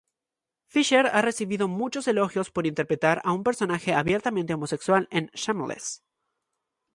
Fisher ha recibido muchos elogios por interpretar a un personaje abiertamente homosexual en "Shameless".